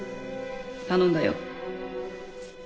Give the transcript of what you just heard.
頼んだよ。